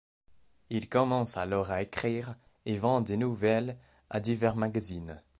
Il commence alors à écrire et vend des nouvelles à divers magazines.